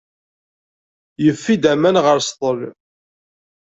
Yeffi-d aman ɣer sḍel.